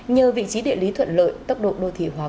nhờ vị trí địa lý thuận lợi tốc độ đô thị hóa